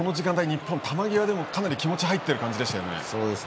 日本は球際でもかなり気持ち入っている感じでしたね。